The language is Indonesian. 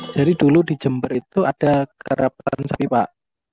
jadi dulu di jember itu ada karapan sapi pak